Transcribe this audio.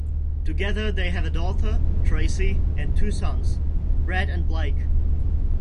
Together they have a daughter, Traci, and two sons, Brad and Blake.